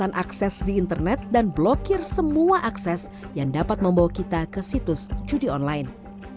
sehingga kita bisa memasuki internet dan memblokir semua akses yang dapat membawa kita ke situs judi online